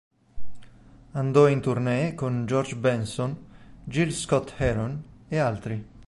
Andò in tournée con George Benson, Gil Scott-Heron e altri.